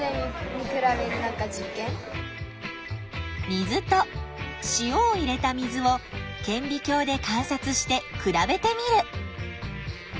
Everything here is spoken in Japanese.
水と塩を入れた水をけんび鏡で観察して比べてみる。